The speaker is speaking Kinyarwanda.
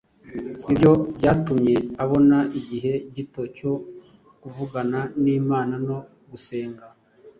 Ibyo byatumye abona igihe gito cyo kuvugana n’Imana no gusenga.